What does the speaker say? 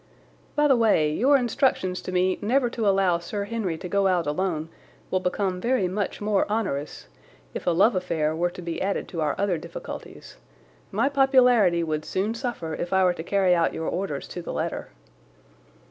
By the way, your instructions to me never to allow Sir Henry to go out alone will become very much more onerous if a love affair were to be added to our other difficulties. My popularity would soon suffer if I were to carry out your orders to the letter.